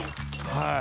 はい。